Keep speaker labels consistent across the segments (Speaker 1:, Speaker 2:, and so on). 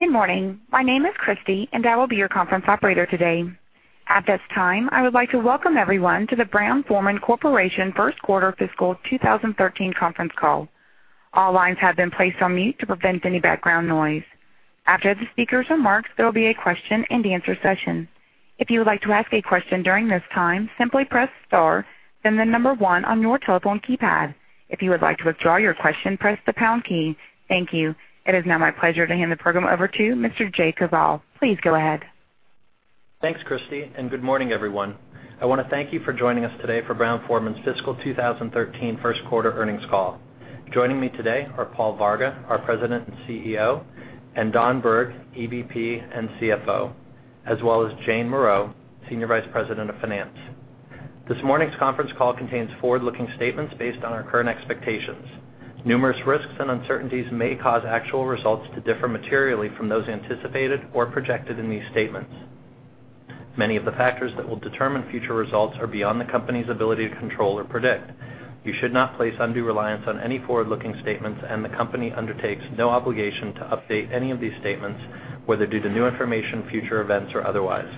Speaker 1: Good morning. My name is Christy, and I will be your conference operator today. At this time, I would like to welcome everyone to the Brown-Forman Corporation First Quarter Fiscal 2013 conference call. All lines have been placed on mute to prevent any background noise. After the speakers' remarks, there will be a question-and-answer session. If you would like to ask a question during this time, simply press star, then the number one on your telephone keypad. If you would like to withdraw your question, press the pound key. Thank you. It is now my pleasure to hand the program over to Mr. Jason Koval. Please go ahead.
Speaker 2: Thanks, Christy. Good morning, everyone. I want to thank you for joining us today for Brown-Forman's fiscal 2013 first quarter earnings call. Joining me today are Paul Varga, our President and CEO, Don Berg, EVP and CFO, as well as Jane Morreau, Senior Vice President of Finance. This morning's conference call contains forward-looking statements based on our current expectations. Numerous risks and uncertainties may cause actual results to differ materially from those anticipated or projected in these statements. Many of the factors that will determine future results are beyond the company's ability to control or predict. You should not place undue reliance on any forward-looking statements, and the company undertakes no obligation to update any of these statements, whether due to new information, future events, or otherwise.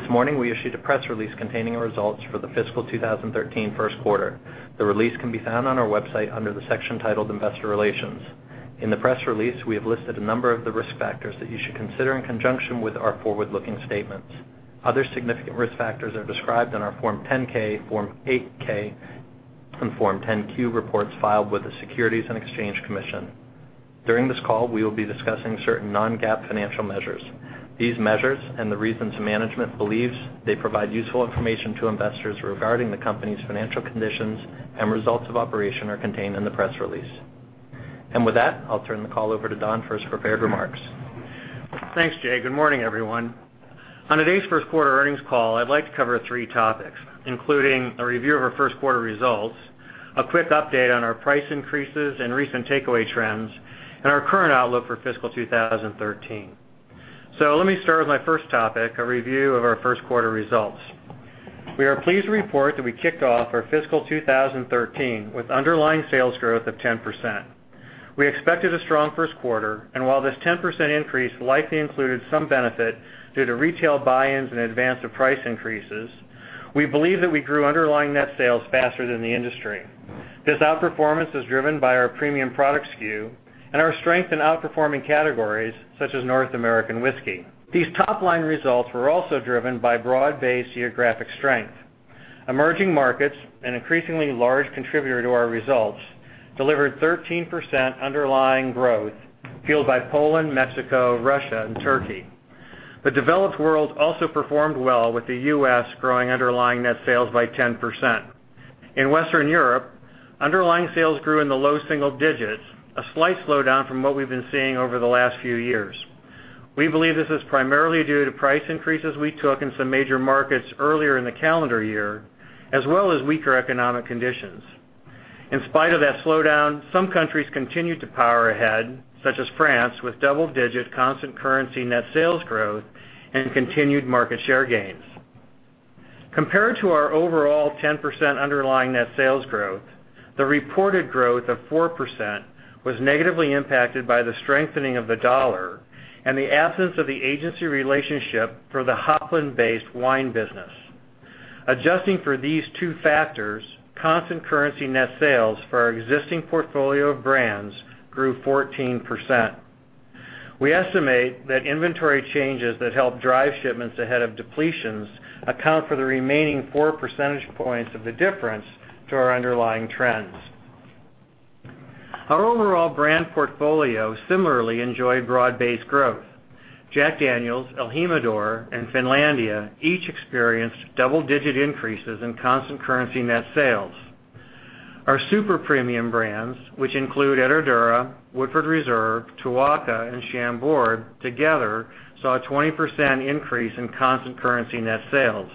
Speaker 2: This morning, we issued a press release containing our results for the fiscal 2013 first quarter. The release can be found on our website under the section titled Investor Relations. In the press release, we have listed a number of the risk factors that you should consider in conjunction with our forward-looking statements. Other significant risk factors are described in our Form 10-K, Form 8-K, and Form 10-Q reports filed with the Securities and Exchange Commission. During this call, we will be discussing certain non-GAAP financial measures. These measures, and the reasons management believes they provide useful information to investors regarding the company's financial conditions and results of operation, are contained in the press release. With that, I'll turn the call over to Don for his prepared remarks.
Speaker 3: Thanks, Jay. Good morning, everyone. On today's first quarter earnings call, I'd like to cover three topics, including a review of our first quarter results, a quick update on our price increases and recent takeaway trends, and our current outlook for fiscal 2013. Let me start with my first topic, a review of our first quarter results. We are pleased to report that we kicked off our fiscal 2013 with underlying sales growth of 10%. We expected a strong first quarter, and while this 10% increase likely included some benefit due to retail buy-ins in advance of price increases, we believe that we grew underlying net sales faster than the industry. This outperformance is driven by our premium product SKU and our strength in outperforming categories such as North American whiskey. These top-line results were also driven by broad-based geographic strength. Emerging markets, an increasingly large contributor to our results, delivered 13% underlying growth, fueled by Poland, Mexico, Russia, and Turkey. The developed world also performed well, with the U.S. growing underlying net sales by 10%. In Western Europe, underlying sales grew in the low single digits, a slight slowdown from what we've been seeing over the last few years. We believe this is primarily due to price increases we took in some major markets earlier in the calendar year, as well as weaker economic conditions. In spite of that slowdown, some countries continued to power ahead, such as France, with double-digit constant currency net sales growth and continued market share gains. Compared to our overall 10% underlying net sales growth, the reported growth of 4% was negatively impacted by the strengthening of the dollar and the absence of the agency relationship for the Hopland-based wine business. Adjusting for these two factors, constant currency net sales for our existing portfolio of brands grew 14%. We estimate that inventory changes that help drive shipments ahead of depletions account for the remaining four percentage points of the difference to our underlying trends. Our overall brand portfolio similarly enjoyed broad-based growth. Jack Daniel's, el Jimador, and Finlandia each experienced double-digit increases in constant currency net sales. Our super premium brands, which include Herradura, Woodford Reserve, Tuaca, and Chambord, together saw a 20% increase in constant currency net sales.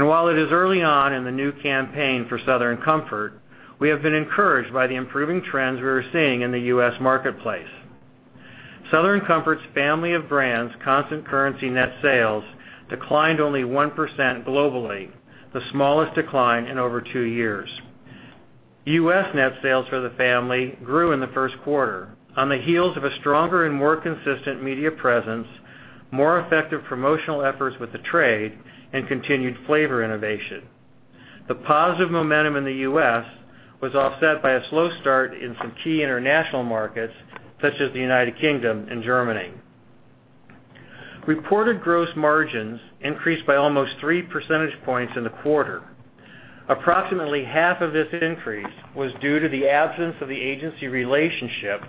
Speaker 3: While it is early on in the new campaign for Southern Comfort, we have been encouraged by the improving trends we are seeing in the U.S. marketplace. Southern Comfort's family of brands' constant currency net sales declined only 1% globally, the smallest decline in over two years. U.S. net sales for the family grew in the first quarter on the heels of a stronger and more consistent media presence, more effective promotional efforts with the trade, and continued flavor innovation. The positive momentum in the U.S. was offset by a slow start in some key international markets, such as the United Kingdom and Germany. Reported gross margins increased by almost three percentage points in the quarter. Approximately half of this increase was due to the absence of the agency relationship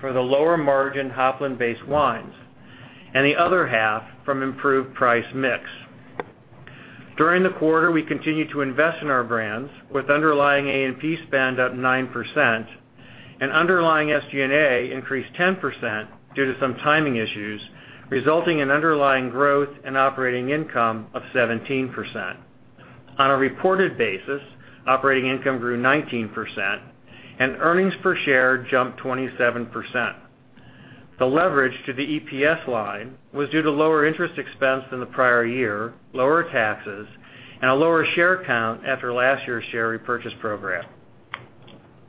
Speaker 3: for the lower-margin Hopland-based wines, and the other half from improved price mix. During the quarter, we continued to invest in our brands, with underlying A&P spend up 9% and underlying SG&A increased 10% due to some timing issues, resulting in underlying growth and operating income of 17%. On a reported basis, operating income grew 19% and earnings per share jumped 27%. The leverage to the EPS line was due to lower interest expense than the prior year, lower taxes, and a lower share count after last year's share repurchase program.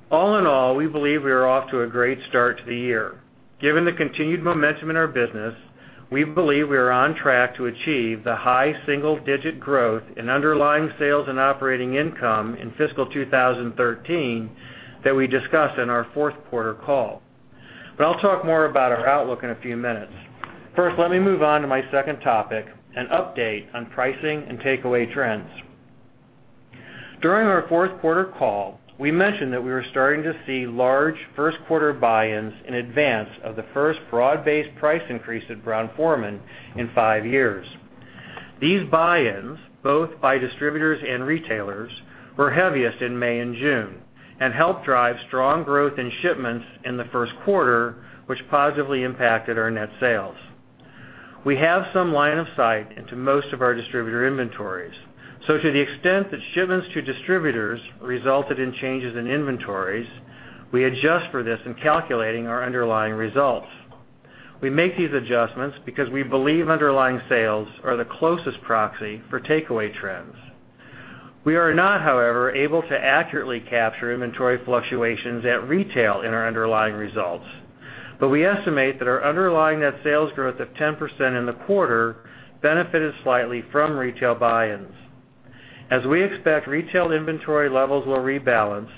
Speaker 3: All in all, we believe we are off to a great start to the year. Given the continued momentum in our business, we believe we are on track to achieve the high single-digit growth in underlying sales and operating income in fiscal 2013 that we discussed in our fourth quarter call. I'll talk more about our outlook in a few minutes. First, let me move on to my second topic, an update on pricing and takeaway trends. During our fourth quarter call, we mentioned that we were starting to see large first quarter buy-ins in advance of the first broad-based price increase at Brown-Forman in five years. These buy-ins, both by distributors and retailers, were heaviest in May and June and helped drive strong growth in shipments in the first quarter, which positively impacted our net sales. We have some line of sight into most of our distributor inventories, so to the extent that shipments to distributors resulted in changes in inventories, we adjust for this in calculating our underlying results. We make these adjustments because we believe underlying sales are the closest proxy for takeaway trends. We are not, however, able to accurately capture inventory fluctuations at retail in our underlying results, but we estimate that our underlying net sales growth of 10% in the quarter benefited slightly from retail buy-ins. As we expect retail inventory levels will rebalance,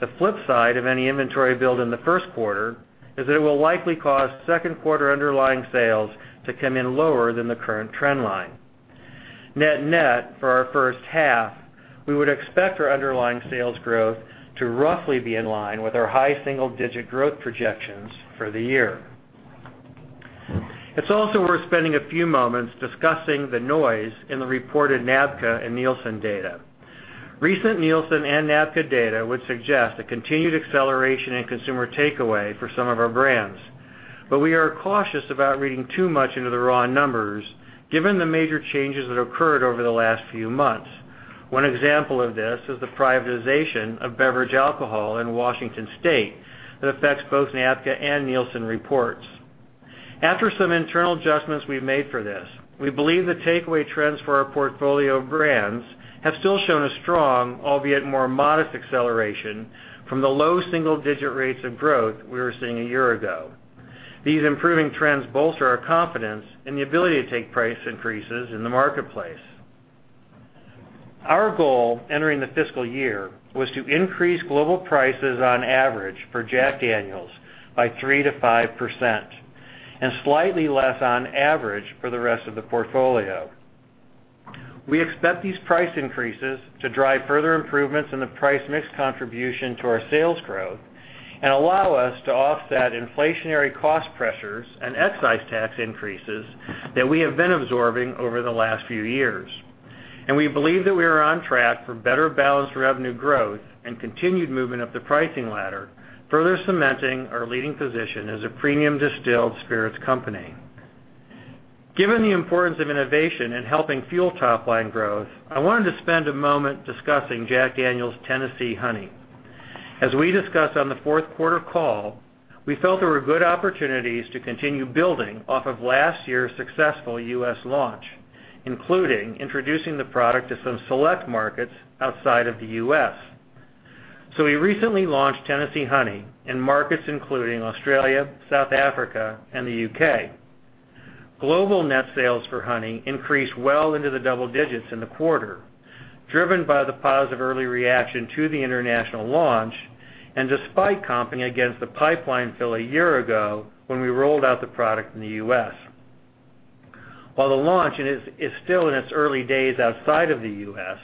Speaker 3: the flip side of any inventory build in the first quarter is that it will likely cause second quarter underlying sales to come in lower than the current trend line. Net net for our first half, we would expect our underlying sales growth to roughly be in line with our high single-digit growth projections for the year. It's also worth spending a few moments discussing the noise in the reported NABCA and Nielsen data. Recent Nielsen and NABCA data would suggest a continued acceleration in consumer takeaway for some of our brands, but we are cautious about reading too much into the raw numbers, given the major changes that occurred over the last few months. One example of this is the privatization of beverage alcohol in Washington State that affects both NABCA and Nielsen reports. After some internal adjustments we've made for this, we believe the takeaway trends for our portfolio of brands have still shown a strong, albeit more modest, acceleration from the low single-digit rates of growth we were seeing a year ago. These improving trends bolster our confidence in the ability to take price increases in the marketplace. Our goal entering the fiscal year was to increase global prices on average for Jack Daniel's by 3% to 5% and slightly less on average for the rest of the portfolio. We expect these price increases to drive further improvements in the price mix contribution to our sales growth and allow us to offset inflationary cost pressures and excise tax increases that we have been absorbing over the last few years. We believe that we are on track for better balanced revenue growth and continued movement up the pricing ladder, further cementing our leading position as a premium distilled spirits company. Given the importance of innovation in helping fuel top line growth, I wanted to spend a moment discussing Jack Daniel's Tennessee Honey. As we discussed on the fourth quarter call, we felt there were good opportunities to continue building off of last year's successful U.S. launch, including introducing the product to some select markets outside of the U.S. We recently launched Tennessee Honey in markets including Australia, South Africa, and the U.K. Global net sales for Honey increased well into the double digits in the quarter, driven by the positive early reaction to the international launch and despite comping against the pipeline fill a year ago when we rolled out the product in the U.S. While the launch is still in its early days outside of the U.S.,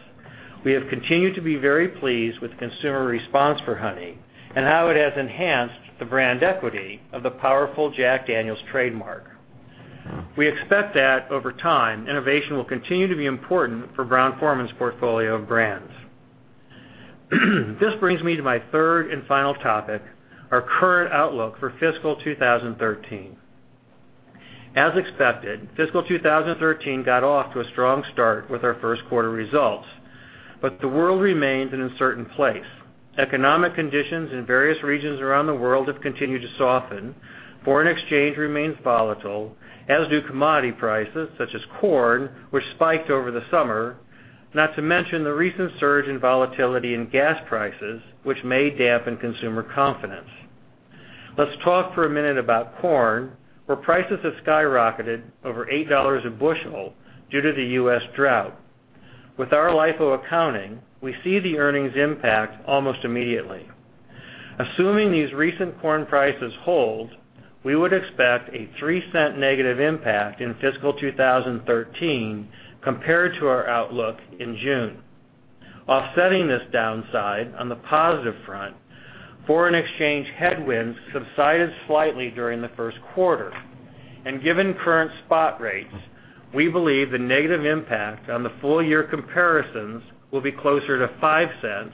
Speaker 3: we have continued to be very pleased with the consumer response for Honey and how it has enhanced the brand equity of the powerful Jack Daniel's trademark. We expect that over time, innovation will continue to be important for Brown-Forman's portfolio of brands. This brings me to my third and final topic, our current outlook for fiscal 2013. As expected, fiscal 2013 got off to a strong start with our first quarter results, but the world remains an uncertain place. Economic conditions in various regions around the world have continued to soften. Foreign exchange remains volatile, as do commodity prices such as corn, which spiked over the summer. Not to mention the recent surge in volatility in gas prices, which may dampen consumer confidence. Let's talk for a minute about corn, where prices have skyrocketed over $8 a bushel due to the U.S. drought. With our LIFO accounting, we see the earnings impact almost immediately. Assuming these recent corn prices hold, we would expect a $0.03 negative impact in fiscal 2013 compared to our outlook in June. Offsetting this downside on the positive front, foreign exchange headwinds subsided slightly during the first quarter. Given current spot rates, we believe the negative impact on the full year comparisons will be closer to $0.05,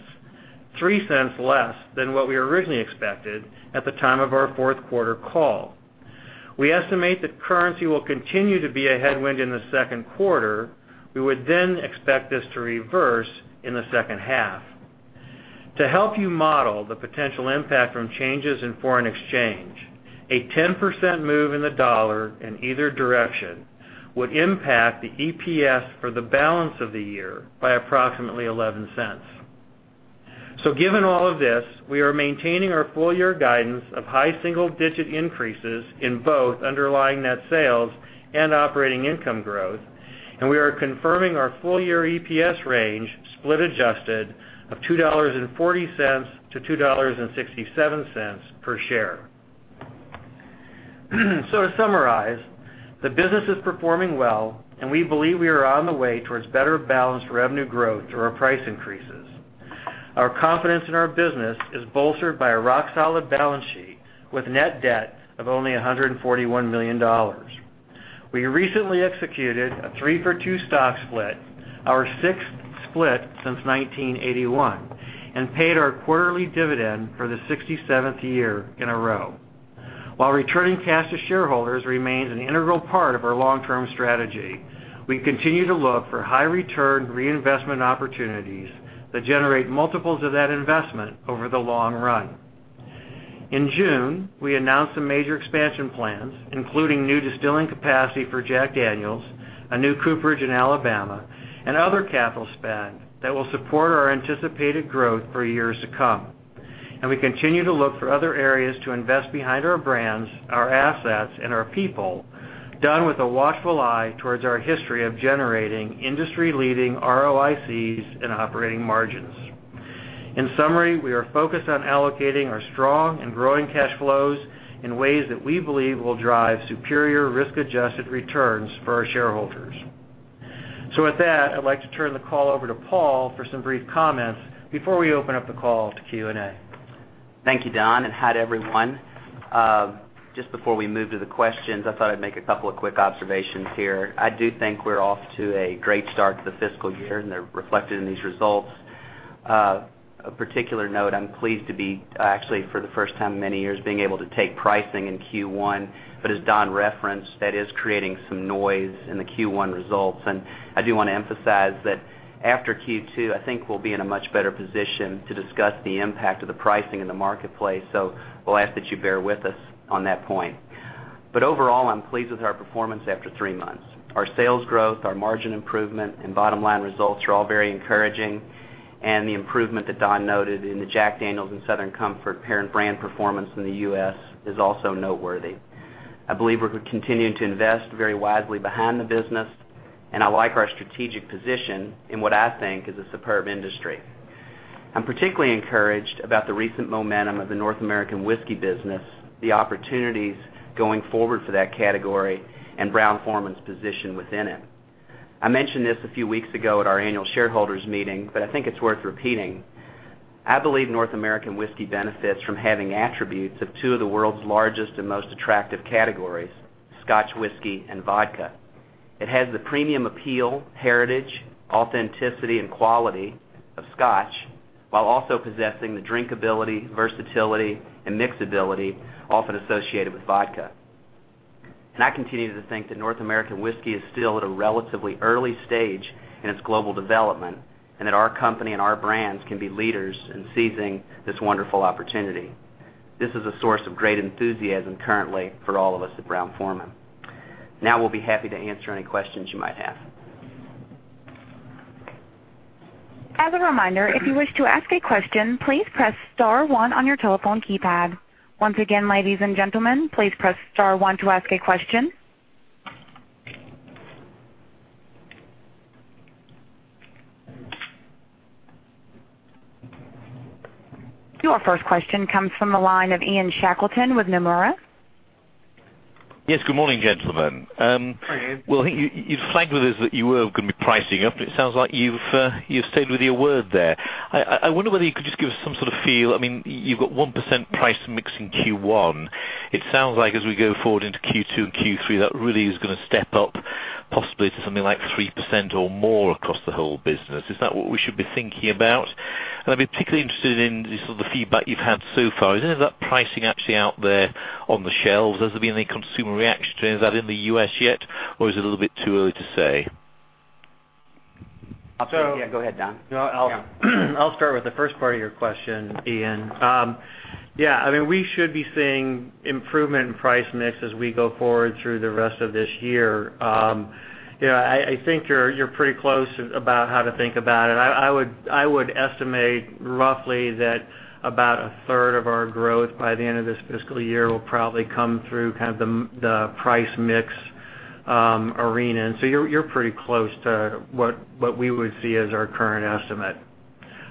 Speaker 3: $0.03 less than what we originally expected at the time of our fourth quarter call. We estimate that currency will continue to be a headwind in the second quarter. We would then expect this to reverse in the second half. To help you model the potential impact from changes in foreign exchange, a 10% move in the dollar in either direction would impact the EPS for the balance of the year by approximately $0.11. Given all of this, we are maintaining our full-year guidance of high single-digit increases in both underlying net sales and operating income growth, and we are confirming our full-year EPS range, split adjusted, of $2.40 to $2.67 per share. To summarize, the business is performing well, and we believe we are on the way towards better balanced revenue growth through our price increases. Our confidence in our business is bolstered by a rock-solid balance sheet with net debt of only $141 million. We recently executed a three-for-two stock split, our sixth split since 1981, and paid our quarterly dividend for the 67th year in a row. While returning cash to shareholders remains an integral part of our long-term strategy, we continue to look for high return reinvestment opportunities that generate multiples of that investment over the long run. In June, we announced some major expansion plans, including new distilling capacity for Jack Daniel's, a new cooperage in Alabama, and other capital spend that will support our anticipated growth for years to come. We continue to look for other areas to invest behind our brands, our assets, and our people, done with a watchful eye towards our history of generating industry-leading ROIC and operating margins. In summary, we are focused on allocating our strong and growing cash flows in ways that we believe will drive superior risk-adjusted returns for our shareholders. With that, I'd like to turn the call over to Paul for some brief comments before we open up the call to Q&A.
Speaker 4: Thank you, Don, and hi to everyone. Just before we move to the questions, I thought I'd make a couple of quick observations here. I do think we're off to a great start to the fiscal year, and they're reflected in these results. Of particular note, I'm pleased to be, actually for the first time in many years, being able to take pricing in Q1. As Don referenced, that is creating some noise in the Q1 results. I do want to emphasize that after Q2, I think we'll be in a much better position to discuss the impact of the pricing in the marketplace. We'll ask that you bear with us on that point. Overall, I'm pleased with our performance after three months. Our sales growth, our margin improvement, and bottom-line results are all very encouraging, and the improvement that Don noted in the Jack Daniel's and Southern Comfort parent brand performance in the U.S. is also noteworthy. I believe we're continuing to invest very wisely behind the business, and I like our strategic position in what I think is a superb industry. I'm particularly encouraged about the recent momentum of the North American whiskey business, the opportunities going forward for that category, and Brown-Forman's position within it. I mentioned this a few weeks ago at our annual shareholders meeting, but I think it's worth repeating. I believe North American whiskey benefits from having attributes of two of the world's largest and most attractive categories, Scotch whisky and vodka. It has the premium appeal, heritage, authenticity, and quality of Scotch while also possessing the drinkability, versatility, and mixability often associated with vodka. I continue to think that North American whiskey is still at a relatively early stage in its global development, and that our company and our brands can be leaders in seizing this wonderful opportunity. This is a source of great enthusiasm currently for all of us at Brown-Forman. Now, we'll be happy to answer any questions you might have.
Speaker 1: As a reminder, if you wish to ask a question, please press star one on your telephone keypad. Once again, ladies and gentlemen, please press star one to ask a question. Your first question comes from the line of Ian Shackleton with Nomura.
Speaker 5: Good morning, gentlemen.
Speaker 3: Hi, Ian.
Speaker 5: Well, you flagged with us that you were going to be pricing up, and it sounds like you've stayed with your word there. I wonder whether you could just give us some sort of feel. You've got 1% price mix in Q1. It sounds like as we go forward into Q2 and Q3, that really is going to step up, possibly to something like 3% or more across the whole business. Is that what we should be thinking about? I'd be particularly interested in the sort of the feedback you've had so far. Is any of that pricing actually out there on the shelves? Has there been any consumer reaction to any of that in the U.S. yet, or is it a little bit too early to say?
Speaker 3: So-
Speaker 4: Yeah, go ahead, Don.
Speaker 3: Yeah. I'll start with the first part of your question, Ian. Yeah, we should be seeing improvement in price mix as we go forward through the rest of this year. I think you're pretty close about how to think about it. I would estimate roughly that about a third of our growth by the end of this fiscal year will probably come through the price mix arena. You're pretty close to what we would see as our current estimate.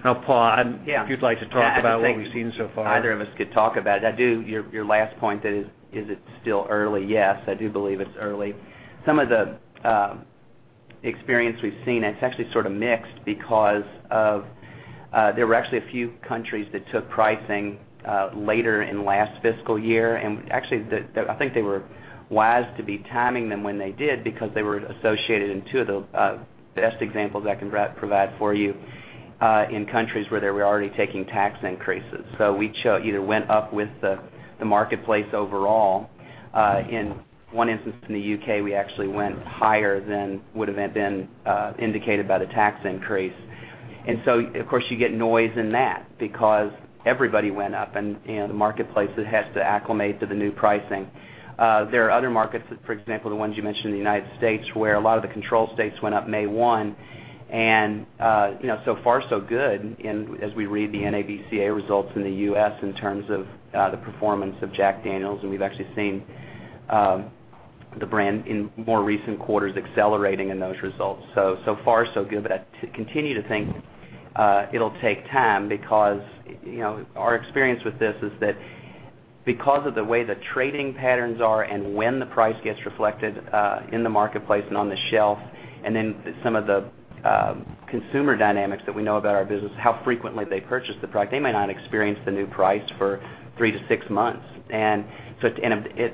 Speaker 3: Now, Paul, if you'd like to talk about what we've seen so far.
Speaker 4: I think either of us could talk about it. I do. Your last point, that is it still early? Yes, I do believe it's early. Some of the experience we've seen, it's actually sort of mixed because there were actually a few countries that took pricing later in last fiscal year. Actually, I think they were wise to be timing them when they did because they were associated in two of the best examples I can provide for you in countries where they were already taking tax increases. We either went up with the marketplace overall. In one instance in the U.K., we actually went higher than would have been indicated by the tax increase. Of course, you get noise in that because everybody went up, and the marketplace has to acclimate to the new pricing. There are other markets, for example, the ones you mentioned in the U.S., where a lot of the control states went up May 1. So far so good, as we read the NABCA results in the U.S. in terms of the performance of Jack Daniel's, and we've actually seen the brand in more recent quarters accelerating in those results. So far so good. I continue to think it'll take time because our experience with this is that because of the way the trading patterns are and when the price gets reflected in the marketplace and on the shelf, and then some of the consumer dynamics that we know about our business, how frequently they purchase the product, they might not experience the new price for three to six months. At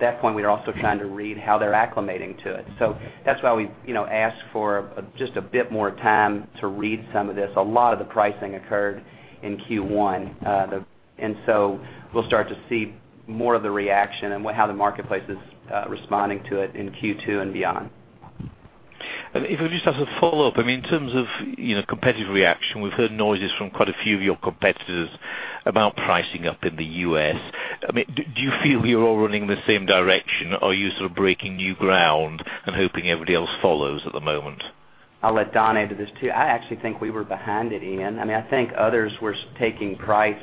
Speaker 4: that point, we are also trying to read how they're acclimating to it. That's why we ask for just a bit more time to read some of this. A lot of the pricing occurred in Q1. We'll start to see more of the reaction and how the marketplace is responding to it in Q2 and beyond.
Speaker 5: If I just as a follow-up, in terms of competitive reaction, we've heard noises from quite a few of your competitors about pricing up in the U.S. Do you feel you're all running in the same direction, or are you sort of breaking new ground and hoping everybody else follows at the moment?
Speaker 4: I'll let Don add to this, too. I actually think we were behind it, Ian. I think others were taking price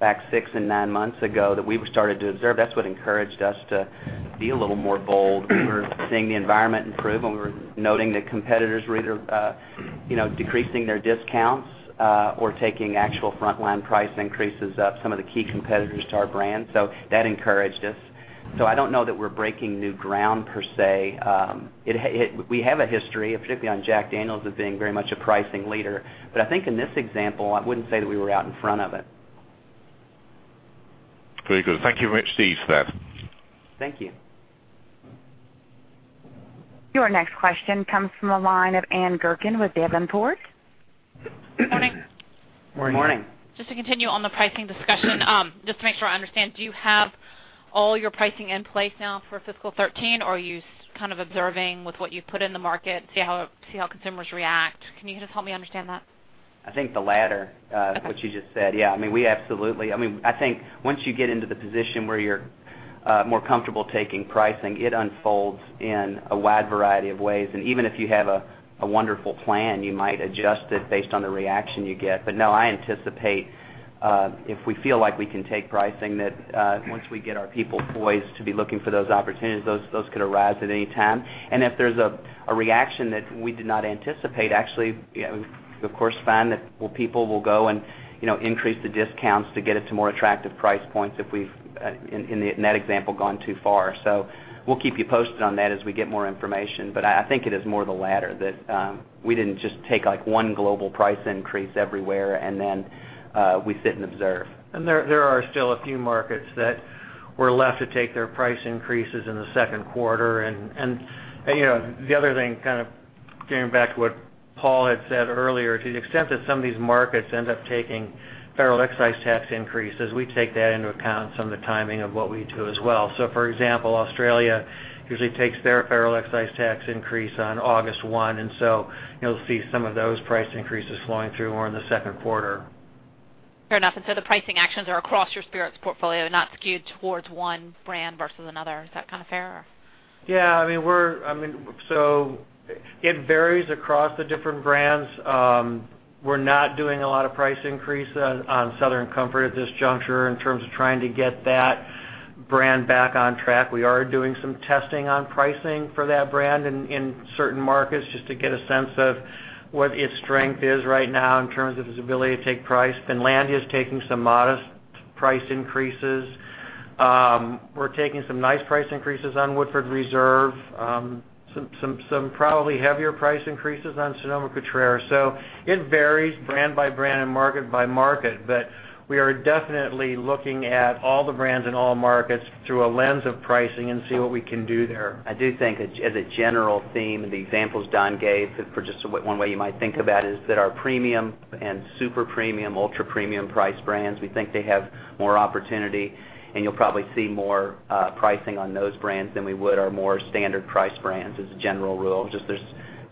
Speaker 4: back six and nine months ago that we started to observe. That's what encouraged us to be a little bolder. We were seeing the environment improve, and we were noting that competitors were either decreasing their discounts or taking actual frontline price increases up, some of the key competitors to our brand. That encouraged us. I don't know that we're breaking new ground, per se. We have a history, particularly on Jack Daniel's, as being very much a pricing leader. I think in this example, I wouldn't say that we were out in front of it.
Speaker 5: Very good. Thank you very much, Paul, for that.
Speaker 4: Thank you.
Speaker 1: Your next question comes from the line of Ann Gurkin with Davenport.
Speaker 6: Good morning.
Speaker 3: Morning.
Speaker 6: Just to continue on the pricing discussion, just to make sure I understand, do you have all your pricing in place now for fiscal 2013, or are you kind of observing with what you've put in the market, see how consumers react? Can you just help me understand that?
Speaker 4: I think the latter of what you just said. Yeah, we absolutely. I think once you get into the position where you're more comfortable taking pricing, it unfolds in a wide variety of ways. Even if you have a wonderful plan, you might adjust it based on the reaction you get. No, I anticipate if we feel like we can take pricing, that once we get our people poised to be looking for those opportunities, those could arise at any time. If there's a reaction that we did not anticipate, actually, we, of course, find that people will go and increase the discounts to get it to more attractive price points if we've, in that example, gone too far. We'll keep you posted on that as we get more information. I think it is more the latter, that we didn't just take one global price increase everywhere, and then we sit and observe.
Speaker 3: There are still a few markets that were left to take their price increases in the second quarter. The other thing, kind of getting back to what Paul had said earlier, to the extent that some of these markets end up taking federal excise tax increases, we take that into account, some of the timing of what we do as well. For example, Australia usually takes their federal excise tax increase on August 1, you'll see some of those price increases flowing through more in the second quarter.
Speaker 6: Fair enough. The pricing actions are across your spirits portfolio, not skewed towards one brand versus another. Is that kind of fair?
Speaker 3: Yeah. It varies across the different brands. We're not doing a lot of price increase on Southern Comfort at this juncture in terms of trying to get that brand back on track. We are doing some testing on pricing for that brand in certain markets just to get a sense of what its strength is right now in terms of its ability to take price. Finlandia is taking some modest price increases. We're taking some nice price increases on Woodford Reserve, some probably heavier price increases on Sonoma-Cutrer. It varies brand by brand and market by market, but we are definitely looking at all the brands in all markets through a lens of pricing and see what we can do there.
Speaker 4: I do think as a general theme, the examples Don gave for just one way you might think about it is that our premium and super premium, ultra premium price brands, we think they have more opportunity, and you'll probably see more pricing on those brands than we would our more standard price brands as a general rule. Just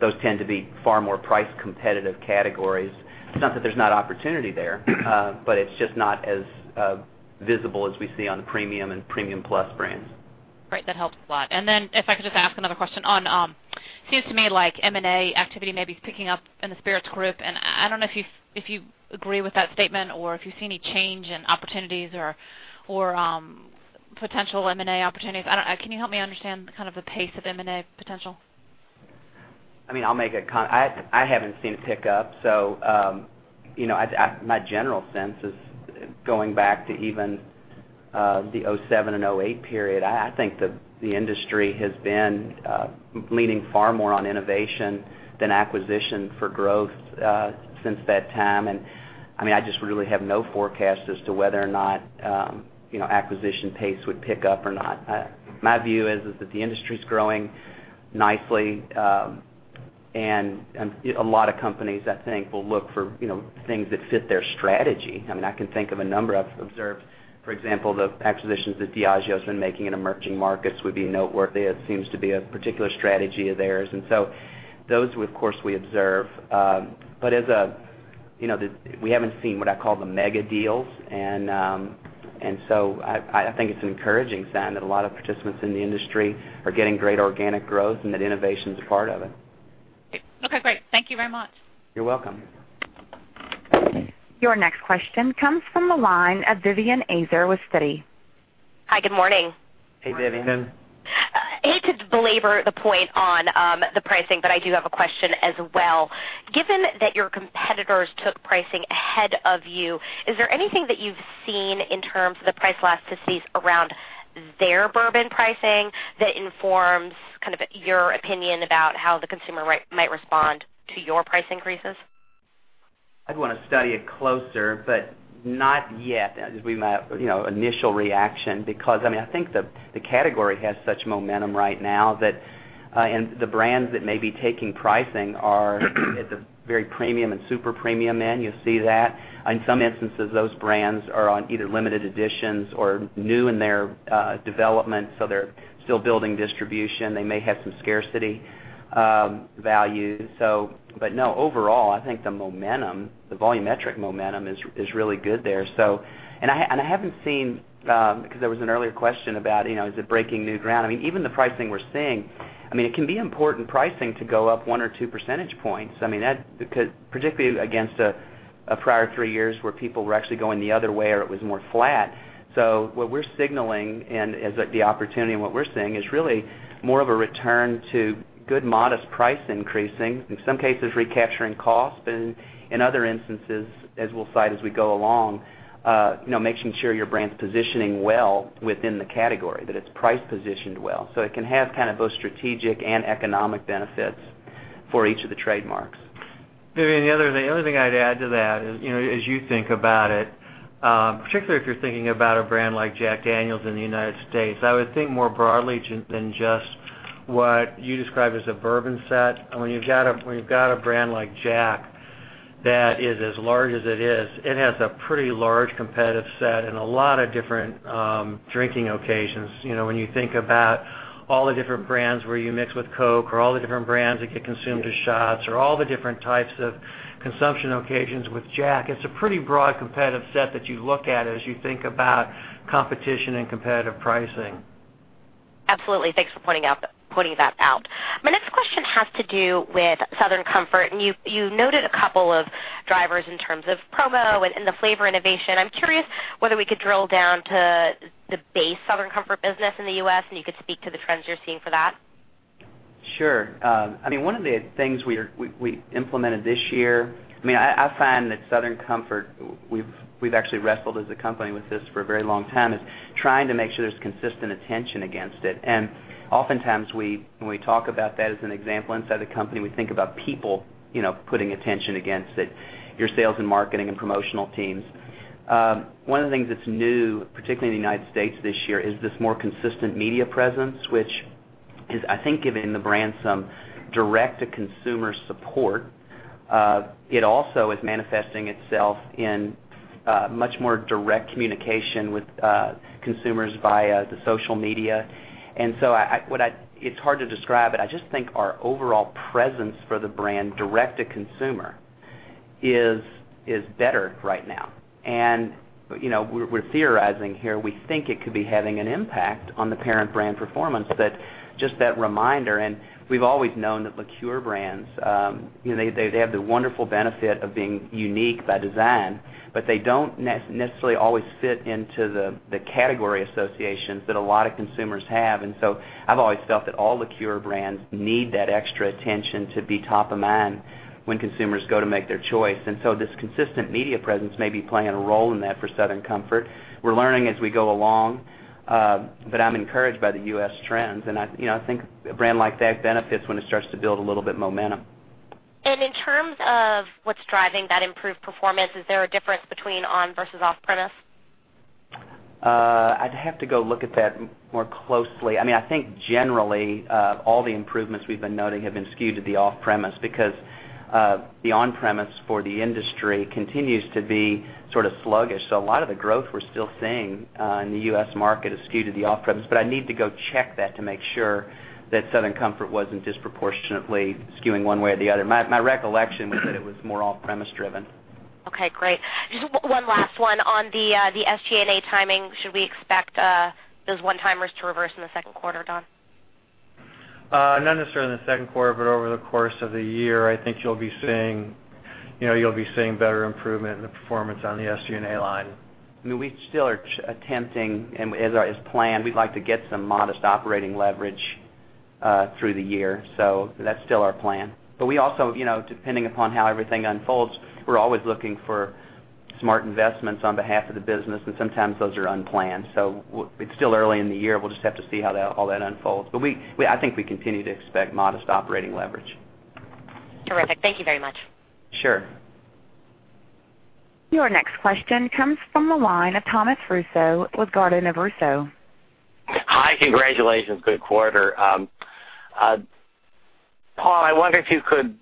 Speaker 4: those tend to be far more price-competitive categories. It's not that there's no opportunity there, but it's just not as visible as we see on the premium and premium plus brands.
Speaker 6: Great. That helps a lot. If I could just ask another question. It seems to me like M&A activity may be picking up in the spirits group, and I don't know if you agree with that statement or if you see any change in opportunities or potential M&A opportunities. Can you help me understand the pace of M&A potential?
Speaker 4: I'll make a comment. I haven't seen it pick up. My general sense is going back to even the 2007 and 2008 period. I think the industry has been leaning far more on innovation than acquisition for growth since that time. I just really have no forecast as to whether or not acquisition pace would pick up or not. My view is that the industry's growing nicely, and a lot of companies, I think, will look for things that fit their strategy. I can think of a number I've observed. For example, the acquisitions that Diageo's been making in emerging markets would be noteworthy. It seems to be a particular strategy of theirs. Those, of course, we observe. We haven't seen what I call the mega deals. I think it's an encouraging sign that a lot of participants in the industry are getting great organic growth and that innovation's a part of it.
Speaker 6: Okay, great. Thank you very much.
Speaker 4: You're welcome.
Speaker 1: Your next question comes from the line of Vivien Azer with Citi.
Speaker 7: Hi, good morning.
Speaker 4: Hey, Vivien.
Speaker 7: I hate to belabor the point on the pricing, but I do have a question as well. Given that your competitors took pricing ahead of you, is there anything that you've seen in terms of the price elasticities around their bourbon pricing that informs your opinion about how the consumer might respond to your price increases?
Speaker 4: I'd want to study it closer, but not yet, would be my initial reaction. I think the category has such momentum right now, and the brands that may be taking pricing are at the very premium and super premium end. You'll see that. In some instances, those brands are on either limited editions or new in their development, so they're still building distribution. They may have some scarcity value. No, overall, I think the momentum, the volumetric momentum, is really good there. I haven't seen, because there was an earlier question about, is it breaking new ground? Even the pricing we're seeing, it can be important pricing to go up one or two percentage points. Particularly against a prior three years where people were actually going the other way or it was more flat. What we're signaling, and as the opportunity and what we're seeing, is really more of a return to good, modest price increasing. In some cases, recapturing cost, and in other instances, as we'll cite as we go along, making sure your brand's positioning well within the category, that it's price positioned well. It can have both strategic and economic benefits for each of the trademarks.
Speaker 3: Vivien, the other thing I'd add to that is, as you think about it, particularly if you're thinking about a brand like Jack Daniel's in the U.S., I would think more broadly than just what you describe as a bourbon set. When you've got a brand like Jack that is as large as it is, it has a pretty large competitive set and a lot of different drinking occasions. When you think about all the different brands where you mix with Coke, or all the different brands that get consumed as shots, or all the different types of consumption occasions with Jack, it's a pretty broad, competitive set that you look at as you think about competition and competitive pricing.
Speaker 7: Absolutely. Thanks for pointing that out. My next question has to do with Southern Comfort. You noted a couple of drivers in terms of promo and the flavor innovation. I'm curious whether we could drill down to the base Southern Comfort business in the U.S., and you could speak to the trends you're seeing for that.
Speaker 4: Sure. One of the things we implemented this year, I find that Southern Comfort, we've actually wrestled as a company with this for a very long time, is trying to make sure there's consistent attention against it. Oftentimes, when we talk about that as an example inside the company, we think about people putting attention against it, your sales and marketing, and promotional teams. One of the things that's new, particularly in the United States this year, is this more consistent media presence, which is, I think, giving the brand some direct-to-consumer support. It also is manifesting itself in much more direct communication with consumers via the social media. It's hard to describe, but I just think our overall presence for the brand direct-to-consumer is better right now. We're theorizing here. We think it could be having an impact on the parent brand performance, just that reminder, we've always known that liqueur brands, they have the wonderful benefit of being unique by design, but they don't necessarily always fit into the category associations that a lot of consumers have. I've always felt that all liqueur brands need that extra attention to be top of mind when consumers go to make their choice. This consistent media presence may be playing a role in that for Southern Comfort. We're learning as we go along. I'm encouraged by the U.S. trends, I think a brand like that benefits when it starts to build a little bit of momentum.
Speaker 7: In terms of what's driving that improved performance, is there a difference between on- versus off-premise?
Speaker 4: I'd have to go look at that more closely. I think generally, all the improvements we've been noting have been skewed to the off-premise because the on-premise for the industry continues to be sort of sluggish. A lot of the growth we're still seeing in the U.S. market is skewed to the off-premise. I need to go check that to make sure that Southern Comfort wasn't disproportionately skewing one way or the other. My recollection was that it was more off-premise driven.
Speaker 7: Okay, great. Just one last one on the SG&A timing. Should we expect those one-timers to reverse in the second quarter, Don?
Speaker 3: Not necessarily in the second quarter, but over the course of the year, I think you'll be seeing better improvement in the performance on the SG&A line.
Speaker 4: We still are attempting, and as planned, we'd like to get some modest operating leverage through the year. That's still our plan. We also, depending upon how everything unfolds, we're always looking for smart investments on behalf of the business, and sometimes those are unplanned. It's still early in the year. We'll just have to see how all that unfolds. I think we continue to expect modest operating leverage.
Speaker 7: Terrific. Thank you very much.
Speaker 4: Sure.
Speaker 1: Your next question comes from the line of Thomas Russo with Gardner Russo.
Speaker 8: Hi, congratulations. Good quarter. Paul, I wonder if you could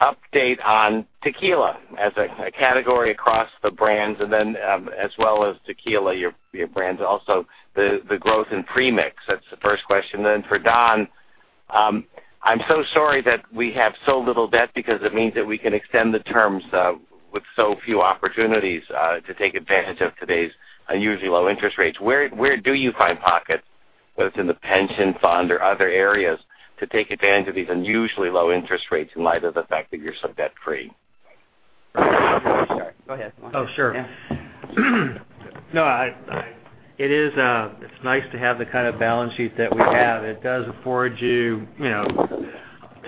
Speaker 8: update on tequila as a category across the brands, and then as well as tequila, your brands also, the growth in premix. That's the first question. For Don, I'm so sorry that we have so little debt because it means that we can extend the terms with so few opportunities to take advantage of today's unusually low interest rates. Where do you find pockets, whether it's in the pension fund or other areas, to take advantage of these unusually low interest rates in light of the fact that you're so debt-free?
Speaker 3: Go ahead. Oh, sure. No, it's nice to have the kind of balance sheet that we have. It does afford you to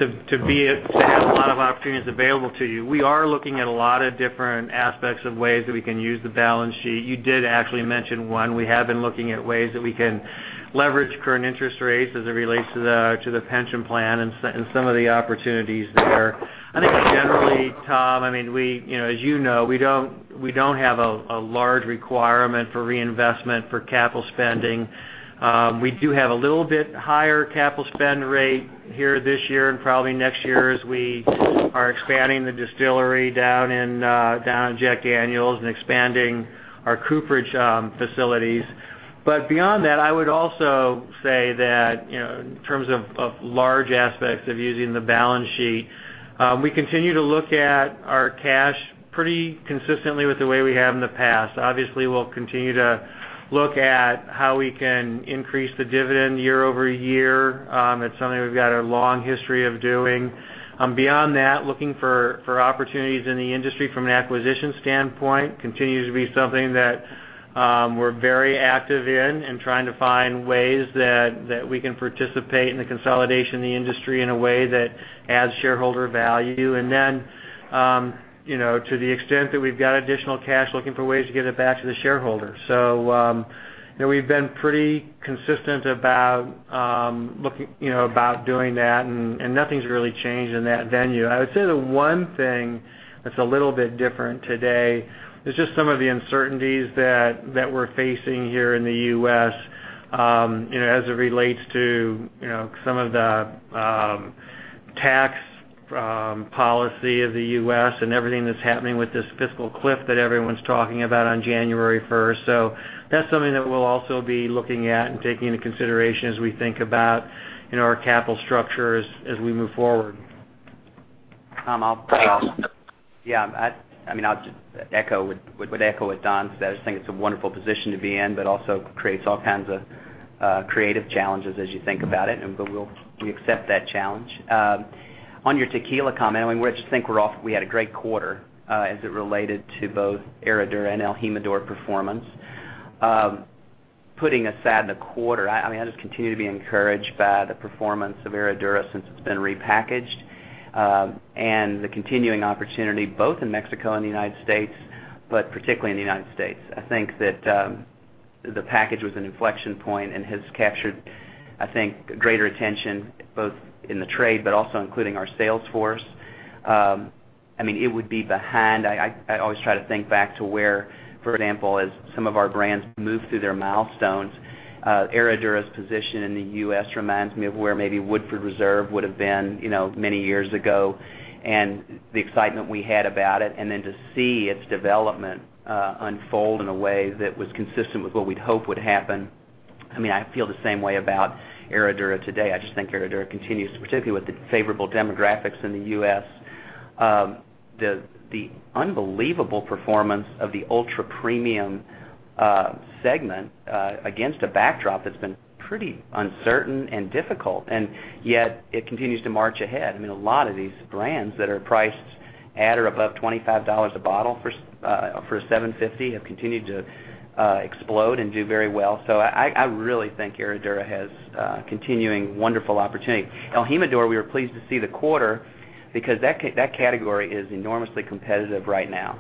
Speaker 3: have a lot of opportunities available to you. We are looking at a lot of different aspects of ways that we can use the balance sheet. You did actually mention one. We have been looking at ways that we can leverage current interest rates as it relates to the pension plan and some of the opportunities there. I think generally, Thomas, as you know, we don't have a large requirement for reinvestment for capital spending. We do have a little bit higher capital spend rate here this year and probably next year as we are expanding the distillery down in Jack Daniel's and expanding our cooperage facilities. Beyond that, I would also say that, in terms of large aspects of using the balance sheet, we continue to look at our cash pretty consistently with the way we have in the past. Obviously, we'll continue to look at how we can increase the dividend year-over-year. It's something we've got a long history of doing. Beyond that, looking for opportunities in the industry from an acquisition standpoint continues to be something that we're very active in and trying to find ways that we can participate in the consolidation of the industry in a way that adds shareholder value. To the extent that we've got additional cash, looking for ways to get it back to the shareholder. We've been pretty consistent about doing that, and nothing's really changed in that venue. I would say the one thing that's a little bit different today is just some of the uncertainties that we're facing here in the U.S. as it relates to some of the tax policy of the U.S. and everything that's happening with this fiscal cliff that everyone's talking about on January 1st. That's something that we'll also be looking at and taking into consideration as we think about our capital structure as we move forward.
Speaker 4: Tom, I'll-
Speaker 8: Thanks.
Speaker 4: Yeah. I'll just echo what Don said. I just think it's a wonderful position to be in, but also creates all kinds of creative challenges as you think about it. We accept that challenge. On your tequila comment, I think we had a great quarter, as it related to both Herradura and el Jimador performance. Putting aside the quarter, I just continue to be encouraged by the performance of Herradura since it's been repackaged, and the continuing opportunity both in Mexico and the U.S., but particularly in the U.S. I think that the package was an inflection point and has captured, I think, greater attention both in the trade, but also including our sales force. It would be behind, I always try to think back to where, for example, as some of our brands move through their milestones, Herradura's position in the U.S. reminds me of where maybe Woodford Reserve would've been, many years ago, and the excitement we had about it, and then to see its development unfold in a way that was consistent with what we'd hope would happen. I feel the same way about Herradura today. I just think Herradura continues to, particularly with the favorable demographics in the U.S. The unbelievable performance of the ultra-premium segment, against a backdrop that's been pretty uncertain and difficult, and yet it continues to march ahead. A lot of these brands that are priced at or above $25 a bottle for a 750 have continued to explode and do very well. I really think Herradura has a continuing wonderful opportunity. El Jimador, we were pleased to see the quarter because that category is enormously competitive right now.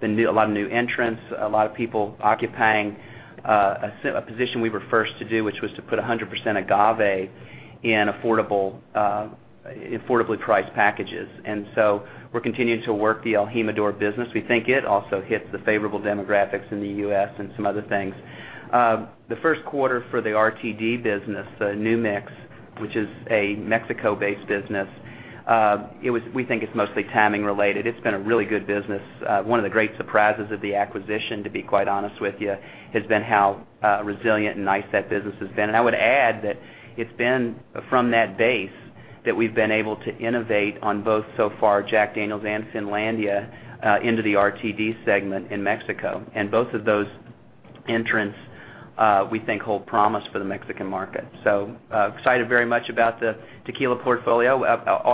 Speaker 4: There's been a lot of new entrants, a lot of people occupying a position we were first to do, which was to put 100% agave in affordably priced packages. We're continuing to work the el Jimador business. We think it also hits the favorable demographics in the U.S. and some other things. The first quarter for the RTD business, the New Mix, which is a Mexico-based business, we think it's mostly timing related. It's been a really good business. One of the great surprises of the acquisition, to be quite honest with you, has been how resilient and nice that business has been. I would add that it's been from that base that we've been able to innovate on both so far, Jack Daniel's and Finlandia, into the RTD segment in Mexico. Both of those entrants, we think hold promise for the Mexican market. Excited very much about the tequila portfolio.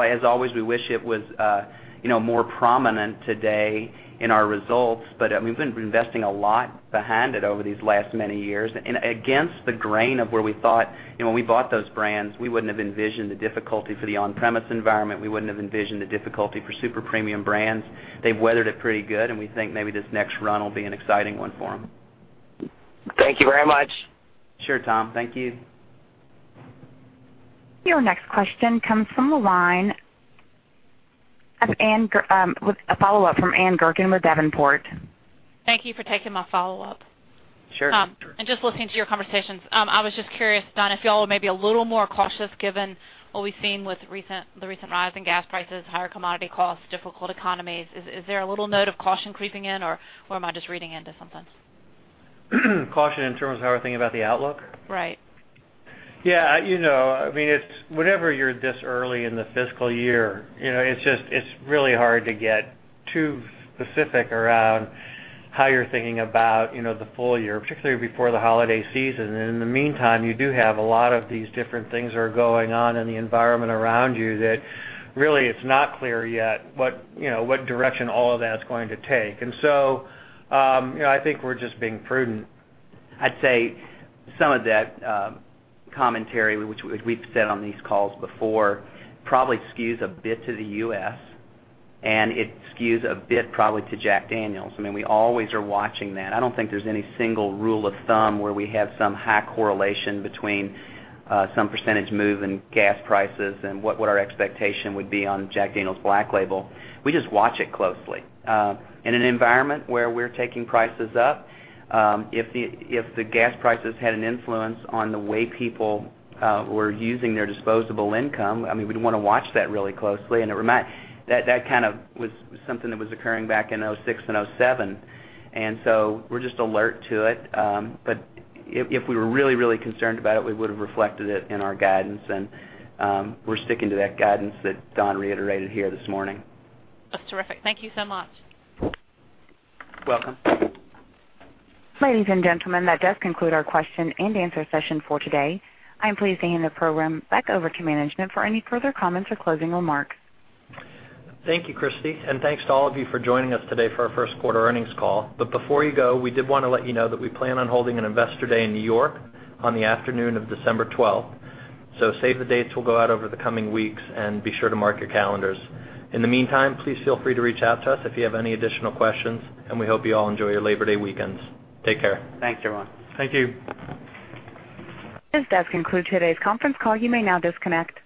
Speaker 4: As always, we wish it was more prominent today in our results, but we've been investing a lot behind it over these last many years. Against the grain of where we thought, when we bought those brands, we wouldn't have envisioned the difficulty for the on-premise environment. We wouldn't have envisioned the difficulty for super premium brands. They've weathered it pretty good, and we think maybe this next run will be an exciting one for them.
Speaker 8: Thank you very much.
Speaker 4: Sure, Tom. Thank you.
Speaker 1: Your next question comes from the line of Ann, with a follow-up from Ann Gurkin with Davenport.
Speaker 6: Thank you for taking my follow-up.
Speaker 4: Sure.
Speaker 6: Just listening to your conversations, I was just curious, Don, if y'all are maybe a little more cautious given what we've seen with the recent rise in gas prices, higher commodity costs, difficult economies. Is there a little note of caution creeping in, or am I just reading into something?
Speaker 3: Caution in terms of how we're thinking about the outlook?
Speaker 6: Right.
Speaker 3: Yeah. Whenever you're this early in the fiscal year, it's really hard to get too specific around how you're thinking about the full year, particularly before the holiday season. In the meantime, you do have a lot of these different things that are going on in the environment around you that really, it's not clear yet what direction all of that's going to take. I think we're just being prudent.
Speaker 4: I'd say some of that commentary, which we've said on these calls before, probably skews a bit to the U.S., and it skews a bit probably to Jack Daniel's. We always are watching that. I don't think there's any single rule of thumb where we have some high correlation between some percentage move in gas prices and what our expectation would be on Jack Daniel's Black Label. We just watch it closely. In an environment where we're taking prices up, if the gas prices had an influence on the way people were using their disposable income, we'd want to watch that really closely. That was something that was occurring back in 2006 and 2007, we're just alert to it. If we were really concerned about it, we would've reflected it in our guidance, and we're sticking to that guidance that Don reiterated here this morning.
Speaker 6: That's terrific. Thank you so much.
Speaker 4: You're welcome.
Speaker 1: Ladies and gentlemen, that does conclude our question and answer session for today. I am pleased to hand the program back over to management for any further comments or closing remarks.
Speaker 2: Thank you, Christy, and thanks to all of you for joining us today for our first quarter earnings call. Before you go, we did want to let you know that we plan on holding an investor day in New York on the afternoon of December 12th. Save-the-dates will go out over the coming weeks, and be sure to mark your calendars. In the meantime, please feel free to reach out to us if you have any additional questions, and we hope you all enjoy your Labor Day weekends. Take care.
Speaker 4: Thanks, everyone.
Speaker 3: Thank you.
Speaker 1: This does conclude today's conference call. You may now disconnect.